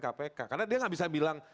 kpk karena dia nggak bisa bilang